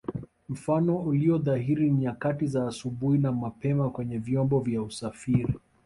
Mfano ulio dhahiri ni nyakati za asubuhi na mapema kwenye vyombo vya usafiri